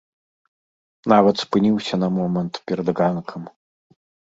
Нават спыніўся на момант перад ганкам.